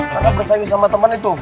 karena bersaing sama temen itu